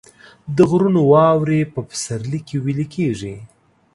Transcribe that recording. د غرونو واورې په پسرلي کې ویلې کیږي